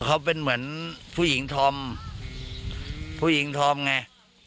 เขาเป็นเหมือนผู้หญิงธอมผู้หญิงธอมไง